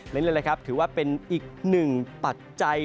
เล่นเลยนะครับถือว่าเป็นอีกหนึ่งปัจจัย